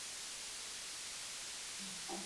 当塞人口变化图示